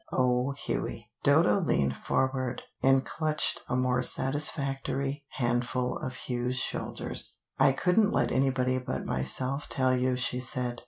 Oh, Hughie!" Dodo leaned forward and clutched a more satisfactory handful of Hugh's shoulders. "I couldn't let anybody but myself tell you," she said.